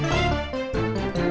kalian berdua masuk kamar